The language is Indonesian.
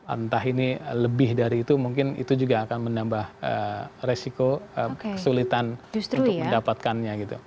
entah ini lebih dari itu mungkin itu juga akan menambah resiko kesulitan untuk mendapatkannya gitu